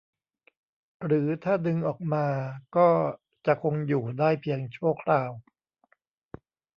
หรือถ้าดึงออกมาก็จะคงอยู่ได้เพียงชั่วคราว